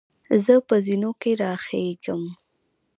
زۀ په زینو کې راخېږم.